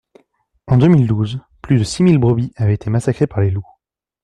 En deux mille douze, plus de six mille brebis avaient été massacrées par les loups.